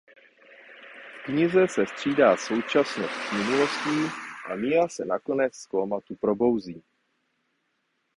V knize se střídá současnost s minulostí a Mia se nakonec z kómatu probouzí.